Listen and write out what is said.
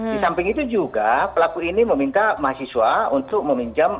di samping itu juga pelaku ini meminta mahasiswa untuk meminjam